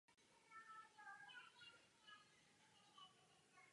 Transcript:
Dobrý den, jak jsem psal, karty jsou zpracované a máte je nasdílené.